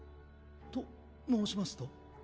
と申しますと？